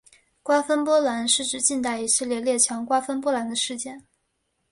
瓜分波兰是指近代一系列列强瓜分波兰的事件。